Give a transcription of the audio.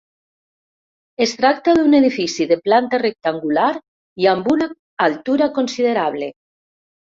Es tracta d'un edifici de planta rectangular i amb una altura considerable.